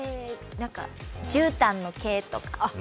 じゅうたんの毛とか？